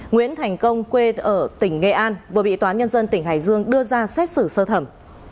nguyễn thành công quê ở tỉnh nghệ an vừa bị toán nhân dân tỉnh hải dương đưa ra xét xử sơ thẩm